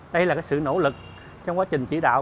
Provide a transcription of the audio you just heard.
đây là sự nỗ lực trong quá trình chỉ đạo